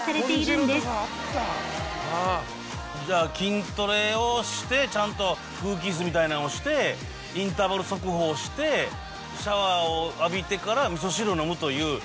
じゃあ筋トレをしてちゃんと空気椅子みたいなんをしてインターバル速歩をしてシャワーを浴びてから味噌汁を飲むという。